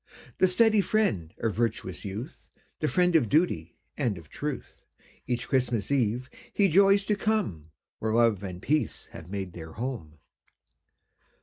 The steady friend of virtuous youth, The friend of duty, and of truth, Each Christmas eve he joys to come Where love and peace have made their home.